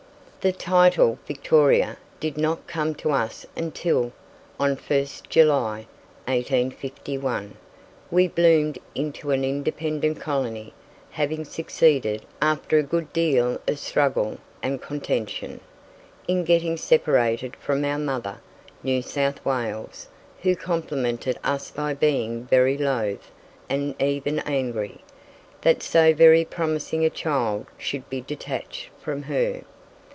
The title "Victoria" did not come to us until, on 1st July, 1851, we bloomed into an independent colony, having succeeded, after a good deal of struggle and contention, in getting separated from our mother, New South Wales, who complimented us by being very loath, and even angry, that so very promising a child should be detached from her.